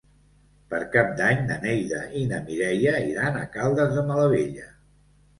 Per Cap d'Any na Neida i na Mireia iran a Caldes de Malavella.